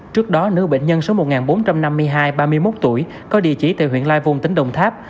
trước đó nữ bệnh nhân số một nghìn bốn trăm năm mươi hai ba mươi một tuổi có địa chỉ tại huyện lai vung tỉnh đồng tháp